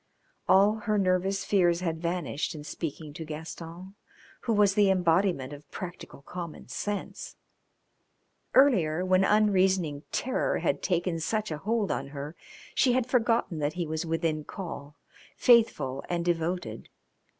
All her nervous fears had vanished in speaking to Gaston, who was the embodiment of practical common sense; earlier, when unreasoning terror had taken such a hold on her, she had forgotten that he was within call, faithful and devoted.